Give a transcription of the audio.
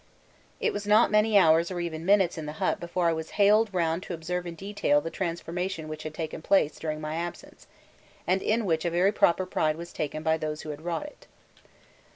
I was not many hours or even minutes in the hut before I was haled round to observe in detail the transformation which had taken place during my absence, and in which a very proper pride was taken by those who had wrought it.